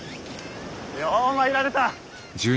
よう参られた。